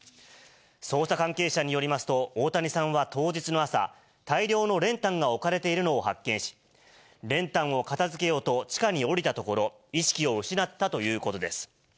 捜査関係者によりますと、大谷さんは当日の朝、大量の練炭が置かれているのを発見し、練炭を片づけようと地下に下りたところ、意識を失ったということです。